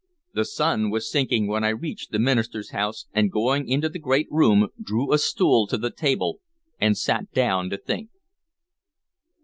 The sun was sinking when I reached the minister's house, and going into the great room drew a stool to the table and sat down to think.